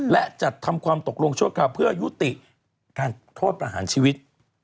และจัดทำความตกลงชั่วคราวเพื่อยุติการโทษประหารชีวิต